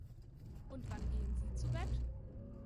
Und wann gehen Sie zu Bett?